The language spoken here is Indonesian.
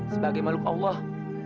sebagai mahluk allah